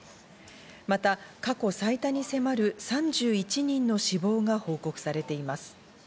また過去最多に迫る３１人の死亡が報告されています。